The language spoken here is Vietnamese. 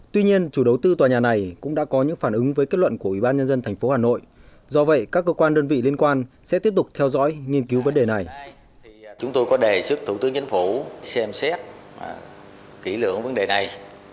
tuy nhiên chủ đầu tư tòa nhà này cũng đã có những phản ứng với kết luận của ủy ban nhân dân tp hà nội do vậy các cơ quan đơn vị liên quan sẽ tiếp tục theo dõi nghiên cứu vấn đề này